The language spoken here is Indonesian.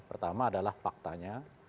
pertama adalah faktanya